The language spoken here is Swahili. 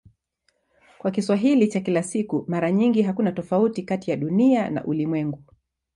Kwa Kiswahili cha kila siku mara nyingi hakuna tofauti kati ya "Dunia" na "ulimwengu".